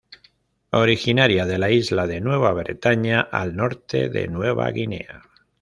Originaria de la isla de Nueva Bretaña, al norte de Nueva Guinea.